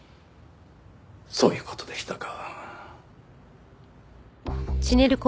そういう事でしたか。